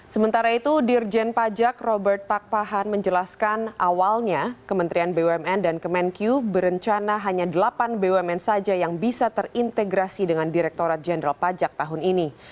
sementara itu dirjen pajak robert pakpahan menjelaskan awalnya kementerian bumn dan kemenku berencana hanya delapan bumn saja yang bisa terintegrasi dengan direkturat jenderal pajak tahun ini